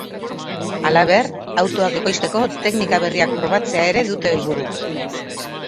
Halaber, autoak ekoizteko teknika berriak probatzea ere dute helburu.